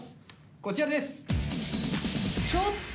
こちらです。